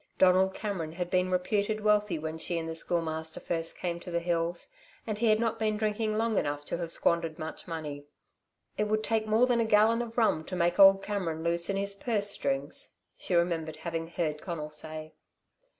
Donald Cameron had been reputed wealthy when she and the Schoolmaster first came to the hills, and he had not been drinking long enough to have squandered much money. "It would take more than a gallon of rum to make old Cameron loosen his purse strings," she remembered having heard Conal say.